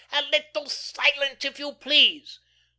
"A little silence if you please.